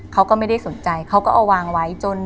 เขาก็ไม่ได้สนใจเขาก็เอาวางไว้จน